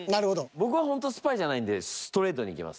僕はほんとスパイじゃないんでストレートにいきます。